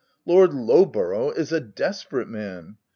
Lord Lowborough is a desperate man.